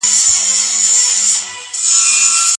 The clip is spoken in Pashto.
واده کي خپګان نه وي.